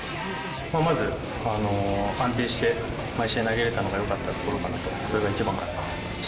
まず、安定して毎試合投げれたのがよかったところかなと、それが一番かなと思います。